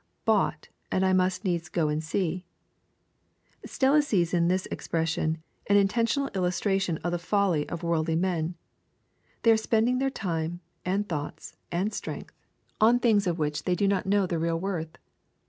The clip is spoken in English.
[Bought.^and I must needs go and «c€.] Stella sees in this expression an intentional illustration of the folly of worldly men. They are spending their time, and thoughts, and strength. LUKE. CHAP. XIV. 165 on things of which they do not know the real worth.